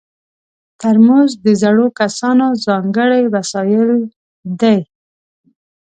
ترموز د زړو کسانو ځانګړی وسایل دي.